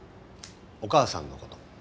お母さんのこと。